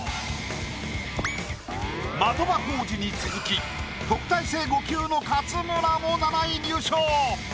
的場浩司に続き特待生５級の勝村も７位入賞。